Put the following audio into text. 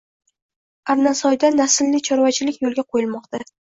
Arnasoyda naslli chorvachilik yo‘lga qo‘yilmoqda